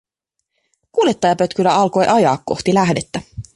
Kuljettajapötkylä alkoi ajaa kohti lähdettä.